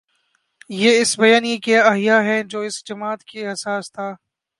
یہ اس بیانیے کا احیا ہے جو اس جماعت کی اساس تھا۔